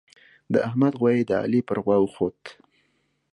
د احمد غويی د علي پر غوا وخوت.